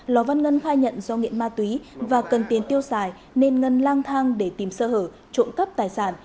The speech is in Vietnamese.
lò văn ngân khai nhận do nghiện ma túy và cần tiền tiêu xài nên ngân lang thang để tìm sơ hở trộm cắp tài sản